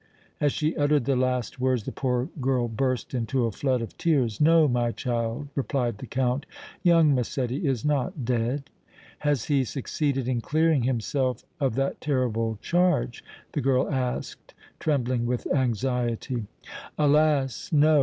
As she uttered the last words, the poor girl burst into a flood of tears. "No, my child," replied the Count. "Young Massetti is not dead." "Has he succeeded in clearing himself of that terrible charge?" the girl asked, trembling with anxiety. "Alas! no!